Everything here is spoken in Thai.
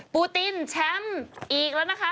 ปูตินแชมป์อีกแล้วนะคะ